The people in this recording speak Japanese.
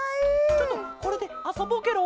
ちょっとこれであそぼうケロ。